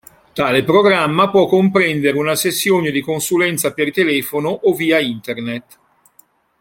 Tale programma può comprendere una sessione di consulenza per telefono o via Internet.